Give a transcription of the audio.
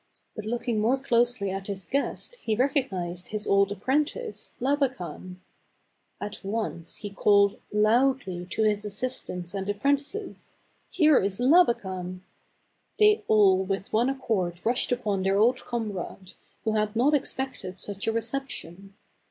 But looking more closely at his guest he recognized his old apprentice, Laba kan. At once he called loudly to his assistants and apprentices, " Here is Labakan !" They all with one accord rushed upon their old com rade, who had not expected such a reception.